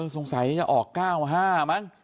สงสัยจะออก๙๕มั้ง